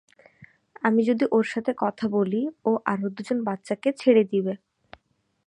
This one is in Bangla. আমি যদি ওর সাথে কথা বলি, ও আরও দুজন বাচ্চাকে ছেড়ে দিবে।